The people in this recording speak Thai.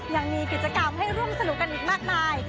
ยังมีกิจกรรมให้ร่วมสนุกกันอีกมากมาย